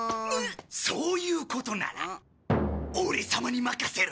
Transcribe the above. そういうことならオレ様に任せろ。